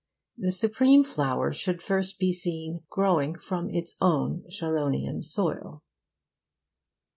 The supreme flower should be first seen growing from its own Sharonian soil.